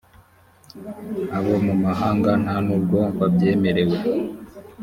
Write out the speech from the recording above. abo mu mahanga nta n’ubwo babyemerewe